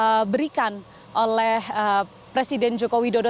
yang diberikan oleh presiden joko widodo